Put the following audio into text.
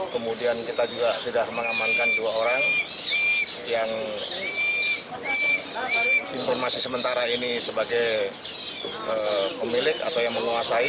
kemudian kita juga sudah mengamankan dua orang yang informasi sementara ini sebagai pemilik atau yang menguasai